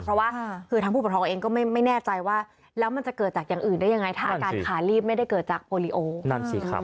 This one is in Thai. เพราะว่าคือทางผู้ปกครองเองก็ไม่แน่ใจว่าแล้วมันจะเกิดจากอย่างอื่นได้ยังไงถ้าอาการขาลีบไม่ได้เกิดจากโปรลิโอนั่นสิครับ